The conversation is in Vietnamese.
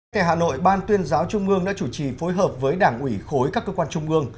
tại hà nội ban tuyên giáo trung ương đã chủ trì phối hợp với đảng ủy khối các cơ quan trung ương